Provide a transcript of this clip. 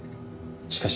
しかし。